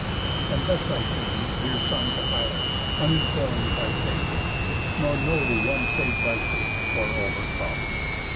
And thus I came, Dear son, to Pylos, uninform'd by fame, Nor know one sav'd by Fate, or overcome.